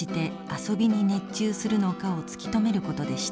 遊びに熱中するのかを突き止めることでした。